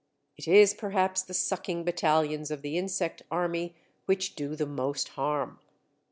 It is perhaps the sucking battalions of the insect army which do the most harm.